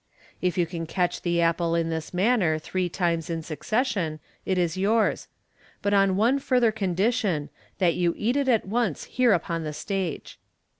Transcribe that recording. If you can catch the apple in this manner three times in succession, it is yours j but on one further condition, that you eat it at once here upon the stage."